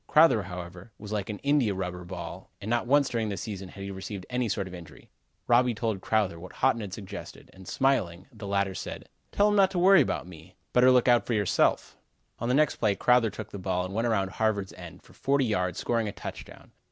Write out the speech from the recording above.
Crowther, however, was like an India rubber ball and not once during the season had he received any sort of injury. Robby told Crowther what Haughton had suggested, and smiling, the latter said: "Tell him not to worry about me; better look out for himself." On the next play Crowther took the ball and went around Harvard's end for forty yards, scoring a touchdown.